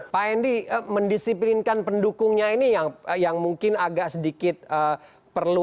pak hendy mendisiplinkan pendukungnya ini yang mungkin agak sedikit perlu